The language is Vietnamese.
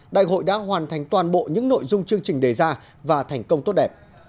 đại hội đã hoàn thành toàn bộ những nội dung chương trình đề ra và thành công tốt đẹp